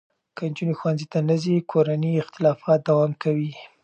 که نجونې ښوونځي ته نه ځي، کورني اختلافات دوام کوي.